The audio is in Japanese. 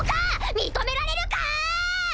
認められるか！